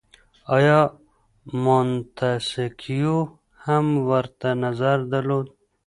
آیا منتسکیو هم ورته نظر درلود؟